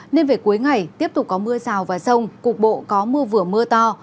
nên về cuối ngày tiếp tục có mưa rào và rông cục bộ có mưa vừa mưa to